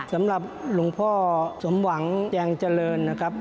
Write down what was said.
สำหรับหลวงพ่อสมหวังแยงเจริญนะครับ